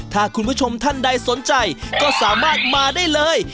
ถ้าคุณผู้ชมท่านใดสนใจก็สามารถมาได้เลย